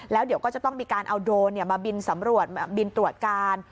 แล้วเดี๋ยวก็จะต้องมีการเอาโดรนมาบินสำรวจบินตรวจการ